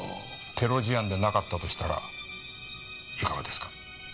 テロ事案でなかったとしたらいかがですか？